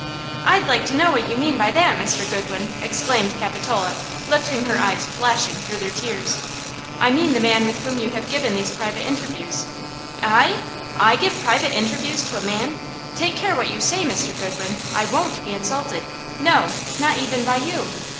man! man!–I'd like to know what you mean by that, Mr. Goodwin!" exclaimed Capitola, lifting her eyes flashing through their tears. "I mean the man with whom you have given these private interviews." "I!–I give private interviews to a man! Take care what you say, Mr. Goodwin; I won't be insulted; no, not even by you!"